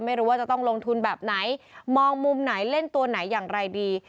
ไม่รู้ว่าจะต้องลงทุนแบบไหนมองมุมไหนเล่นตัวไหนอย่างไรดี